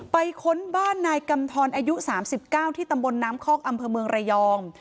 ค้นบ้านนายกำทรอายุ๓๙ที่ตำบลน้ำคอกอำเภอเมืองระยอง